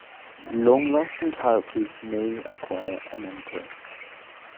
Long-lasting characters may acquire a mentor.